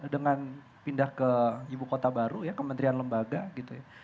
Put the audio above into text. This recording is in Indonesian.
dengan pindah ke ibu kota baru ya kementerian lembaga gitu ya